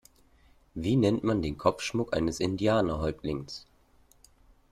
Wie nennt man den Kopfschmuck eines Indianer-Häuptlings?